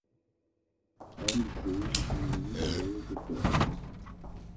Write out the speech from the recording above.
On y trouve du minerai de fer.